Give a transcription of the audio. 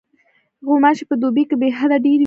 غوماشې په دوبي کې بېحده ډېرې وي.